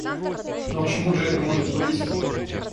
Но к чему же это может повести?